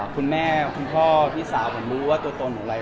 คุณแม่คุณพ่อพี่สาวผมรู้ว่าตัวตนของไร